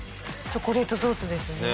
チョコレートソースですね。